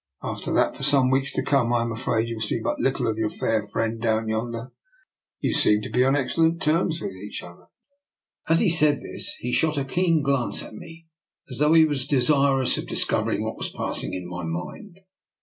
After that for some weeks to come I am afraid you will see but little of your fair friend down yonder. You seem to be on excellent terms with each other." As he said this he shot a keen glance at me, as though he was desirous of discovering what was passing in my mind.